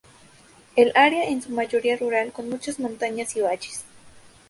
El área es en su mayoría rural, con muchas montañas y valles.